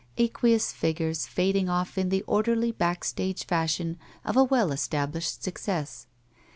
Aque ous figures fading off in the orderly back stage fashion of a well established success.